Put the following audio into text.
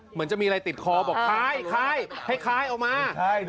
เหมือนจะมีอะไรติดคอบอกคล้ายให้คล้ายออกมา